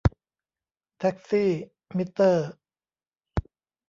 แท็กซี่มิเตอร์